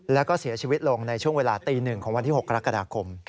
แล้วก็เสียชีวิตลงในช่วงเวลาตี๑ของวันที่๖กรกฎาคม